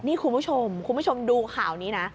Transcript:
นี่คุณผู้ชมคุณผู้ชมดูข่าวนี้นะ